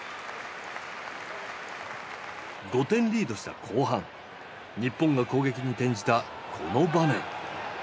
５点リードした後半日本が攻撃に転じたこの場面。